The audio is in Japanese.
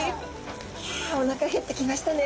ひゃおなか減ってきましたね。